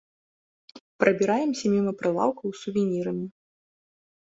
Прабіраемся міма прылаўкаў з сувенірамі.